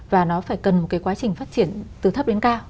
và nó phải cần một cái quá trình phát triển từ thấp đến cao